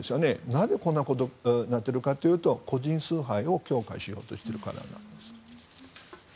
なんでこんなことをやっているかというと個人崇拝を強化しようとしているからなんです。